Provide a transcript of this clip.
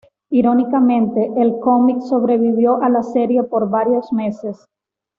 Irónicamente, el cómic sobrevivió a la serie por varios meses.